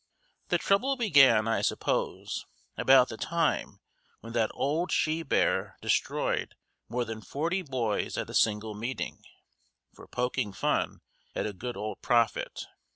The trouble began, I suppose, about the time when that old she bear destroyed more than forty boys at a single meeting, for poking fun at a good old prophet.